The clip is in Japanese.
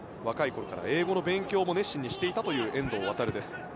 若いころから英語の勉強も熱心にしていたという遠藤航です。